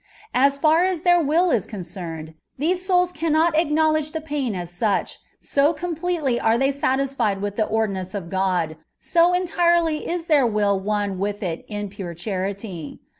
As fer as their will is concemed, these souls cannot acknowledge the pain as such, so com pletely are they satisfied with the ordinance of God, so entirely is their will one with it in pure charity.